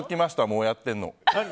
もうやってるの。